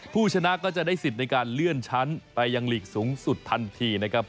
ผู้ชนะก็จะได้สิทธิ์ในการเลื่อนชั้นไปยังหลีกสูงสุดทันทีนะครับ